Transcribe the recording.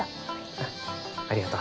ああありがとう。